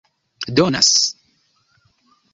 donas